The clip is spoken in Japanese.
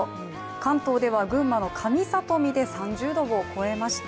関東では、群馬の上里見で３０度を超えました。